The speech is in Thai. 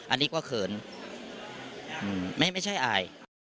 อันนี้ก็เขินไม่ใช่อาย